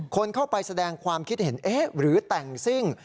คนเข้าไปแสดงความคิดเห็นเอ๊ะหรือแต่งซิ่ง